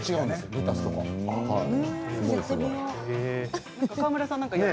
レタスとか。